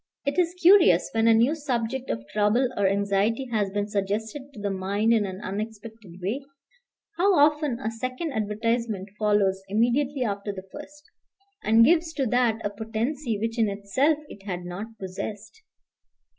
It is curious when a new subject of trouble or anxiety has been suggested to the mind in an unexpected way, how often a second advertisement follows immediately after the first, and gives to that a potency which in itself it had not possessed.